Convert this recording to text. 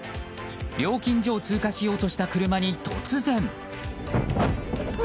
料金所を通過しようとした車に突然。